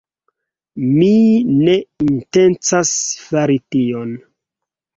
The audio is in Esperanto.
Mi ne intencas fari tion!